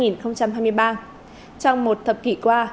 trong một thập kỷ qua